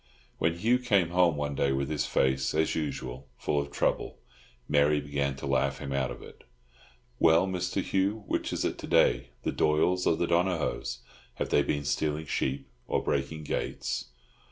When Hugh came home one day with his face, as usual, full of trouble, Mary began to laugh him out of it. "Well, Mr. Hugh, which is it to day—the Doyles or the Donohoes? Have they been stealing sheep or breaking gates?"